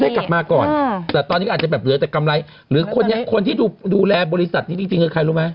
เขาได้กลับมาก่อนแต่ตอนนี้อาจจะเหลือแต่กำไรหรือคนที่ดูแลบริษัทนี้ดีจริงค่ะใครรู้มั้ย